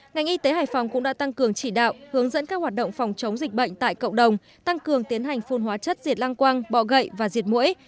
ngành y tế hải phòng cũng đã tăng cường chỉ đạo hướng dẫn các hoạt động phòng chống dịch bệnh tại cộng đồng tăng cường tiến hành phun hóa chất diệt lang quang bọ gậy và diệt mũi